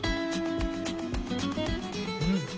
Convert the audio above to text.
うん。